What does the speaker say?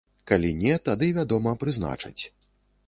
Калі не, тады, вядома, прызначаць.